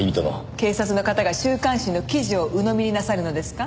警察の方が週刊誌の記事をうのみになさるのですか？